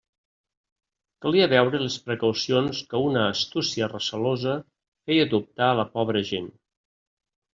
Calia veure les precaucions que una astúcia recelosa feia adoptar a la pobra gent.